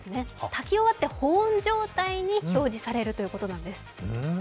炊き終わって表示されるということなんです。